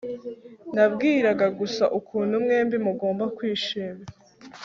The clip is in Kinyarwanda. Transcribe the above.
Nabwiraga gusa ukuntu mwembi mugomba kwishima